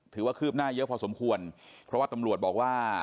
คืบหน้าเยอะพอสมควรเพราะว่าตำรวจบอกว่า